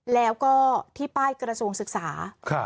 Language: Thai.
แล้วก็ที่ป้ายกระทรวงศึกษา